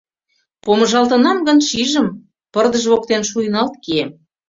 Помыжалтынам гын, шижым: пырдыж воктен шуйналт кием.